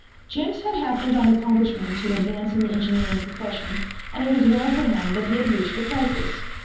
Jenks had happened on accomplishment to advance in the engineering profession, and it was well for him that he had reached a crisis.